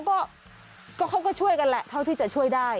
ก็เขาก็ช่วยกันแหละเท่าที่จะช่วยได้